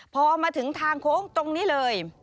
พอมาถึงทางโค้งตรงนี้เลย